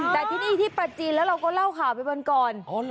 แต่ที่นี่ที่ประจีนแล้วเราก็เล่าข่าวไปวันก่อน